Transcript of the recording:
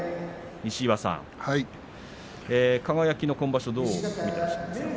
西岩さん輝の今場所はどう見ていますか。